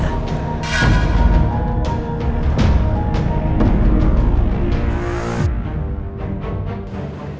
pak irfan bisa bantu